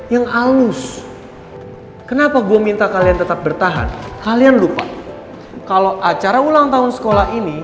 yang halus kenapa gua minta kalian tetap bertahan kalian lupa kalau acara ulang tahun sekolah ini